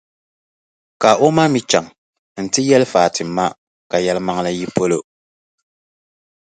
Ka o ma mi chaŋ nti yɛli Fati ma ka yɛlimaŋli yi polo.